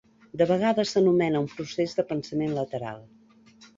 De vegades s'anomena un procés de pensament lateral.